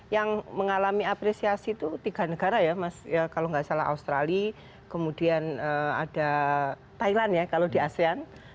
yang mengalami apresiasi itu tiga negara ya mas kalau nggak salah australia kemudian ada thailand ya kalau di asean